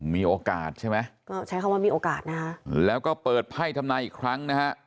มีโอกาสใช่ไหมก็ใช้คำว่ามีโอกาสนะฮะแล้วก็เปิดไพ่ทำนายอีกครั้งนะฮะ